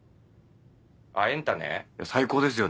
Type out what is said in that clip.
あっ『エンタ』ね最高ですよね。